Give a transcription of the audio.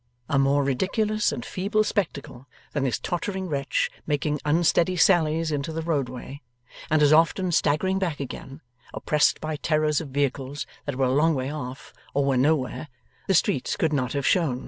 A more ridiculous and feeble spectacle than this tottering wretch making unsteady sallies into the roadway, and as often staggering back again, oppressed by terrors of vehicles that were a long way off or were nowhere, the streets could not have shown.